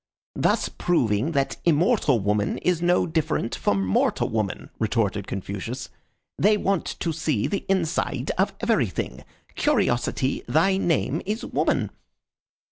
"Thus proving that immortal woman is no different from mortal woman," retorted Confucius. "They want to see the inside of everything. Curiosity, thy name is woman."